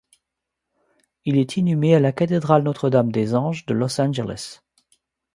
Il est inhumé à la Cathédrale Notre-Dame-des-Anges de Los Angeles.